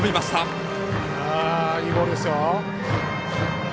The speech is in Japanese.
いいボールですよ。